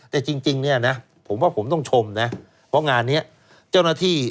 แต่จริงเนี่ยนะผมว่าผมต้องชมนะเพราะงานนี้เจ้าหน้าที่